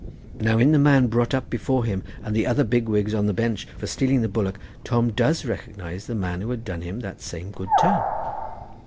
Now, in the man brought up before him and the other big wigs on the bench for stealing the bullock, Tom does recognise the man who had done him that same good turn.